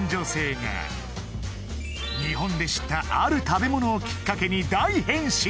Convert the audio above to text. が日本で知ったある食べ物をきっかけに大変身！